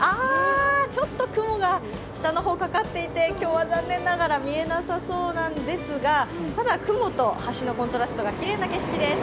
ちょっと雲が下の方かかっていて今日は残念ながら見えなさそうなんですが、ただ雲と橋のコントラストがきれいな景色です。